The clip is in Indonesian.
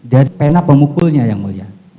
dari pena pemukulnya yang mulia